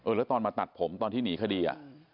แล้วตอนมาตัดผมตอนที่หนีคดี